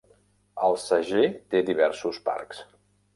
Alsager té diversos parcs.